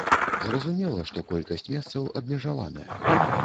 Зразумела, што колькасць месцаў абмежаваная.